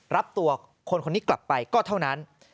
รับตัวคนคนนี้กลับไปก็เท่านั้น